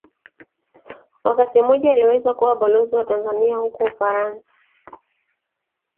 Wakati mmoja aliweza kuwa Balozi wa Tanzania huko Ufaransa.